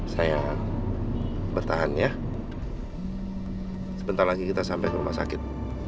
saya bertahan ya sebentar lagi kita sampai ke rumah sakit